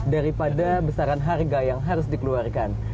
daripada besaran harga yang harus dikeluarkan